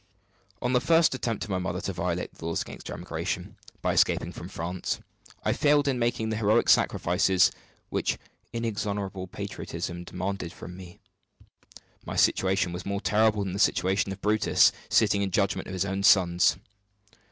On the first attempt of my mother to violate the laws against emigration, by escaping from France, I failed in making the heroic sacrifice which inexorable patriotism demanded of me. My situation was more terrible than the situation of Brutus sitting in judgment on his own sons.